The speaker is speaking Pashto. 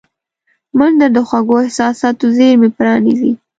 منډه د خوږو احساساتو زېرمې پرانیزي